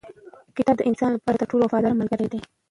کتاب د انسان لپاره تر ټولو وفادار ملګری دی